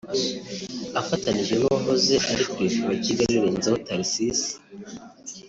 afatanije n’wahoze ari Perefe wa Kigali Renzaho Tharcisse